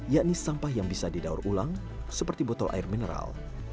yakni sampah yang bisa didaur ulang seperti botol air mineral